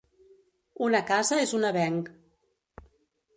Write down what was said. Una casa és un avenc.